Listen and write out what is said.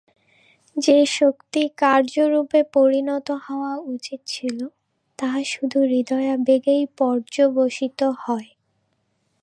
যে-শক্তি কার্যরূপে পরিণত হওয়া উচিত ছিল, তাহা শুধু হৃদয়াবেগেই পর্যবসিত হয়।